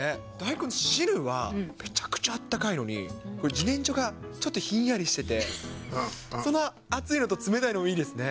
この汁がめちゃくちゃあったかいのに、じねんじょがちょっとひんやりしてて、その熱いのと冷たいのもいいですね。